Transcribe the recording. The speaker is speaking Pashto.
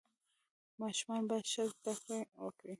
ماشومان باید ښه زده کړه وکړي.